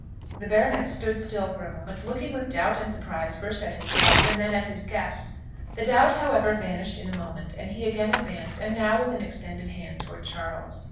The baronet stood still for a moment, looking with doubt and surprise first at his wife, and then at his guest. The doubt, however, vanished in a moment, and he again advanced, and now with an extended hand towards Charles.